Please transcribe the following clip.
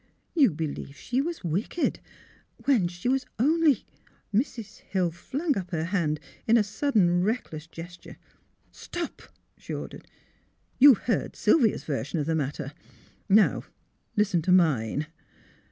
You believed she was wicked, when she was only " Mrs. Hill flung up her hand in a sudden reck less gesture. " Stop! " she ordered. *' You have heard Syl via's version of the matter. Now listen to mine."